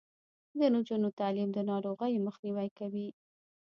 د نجونو تعلیم د ناروغیو مخنیوی کوي.